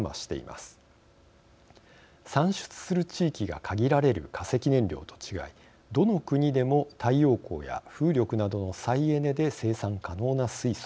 産出する地域が限られる化石燃料と違いどの国でも太陽光や風力などの再エネで生産可能な水素。